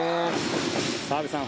澤部さん